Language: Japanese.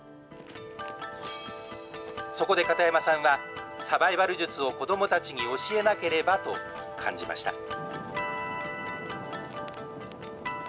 そこで片山さんは、サバイバル術を子どもたちに教えなければと感じました。